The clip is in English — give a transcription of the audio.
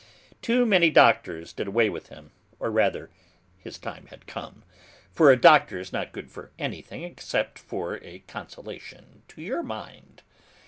Too many doctors did away with him, or rather, his time had come, for a doctor's not good for anything except for a consolation to your mind!